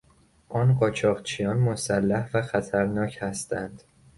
آن قاچاقچیان مسلح و خطرناک هستند.